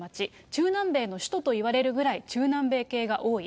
中南米の首都といわれるくらい、中南米系が多い。